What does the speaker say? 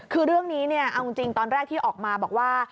คือเรื่องนี้เนี่ยเอาจริงตอนแรกที่ออกมาบอกว่า